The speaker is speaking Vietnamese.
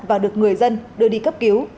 và được người dân đưa đi cấp cứu